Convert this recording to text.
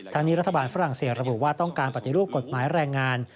นี้รัฐบาลฝรั่งเศสระบุว่าต้องการปฏิรูปกฎหมายแรงงาน